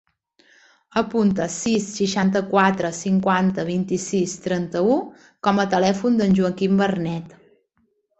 Apunta el sis, seixanta-quatre, cinquanta, vint-i-sis, trenta-u com a telèfon del Joaquín Vernet.